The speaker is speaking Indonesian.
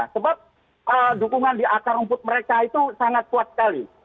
sebab dukungan di akar rumput mereka itu sangat kuat sekali